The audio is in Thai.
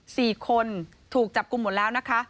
สี่คนถูกจับกลุ่มหมดแล้วนะคะ